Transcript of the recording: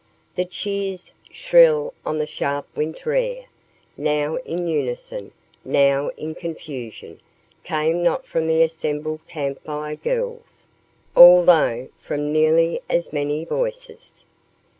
The cheers, shrill on the sharp winter air, now in unison, now in confusion, came not from the assembled Camp Fire Girls, although from nearly as many voices.